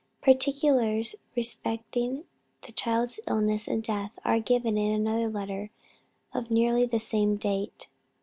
'" Particulars respecting the child's illness and death are given in another letter of nearly the same date.